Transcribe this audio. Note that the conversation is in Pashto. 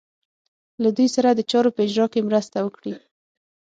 له دوی سره د چارو په اجرا کې مرسته وکړي.